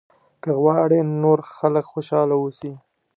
که غواړې نور خلک خوشاله واوسي.